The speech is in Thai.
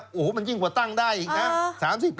โอ้โหมันยิ่งกว่าตั้งได้อีกนะ